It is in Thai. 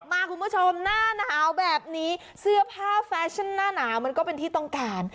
คุณผู้ชมหน้าหนาวแบบนี้เสื้อผ้าแฟชั่นหน้าหนาวมันก็เป็นที่ต้องการ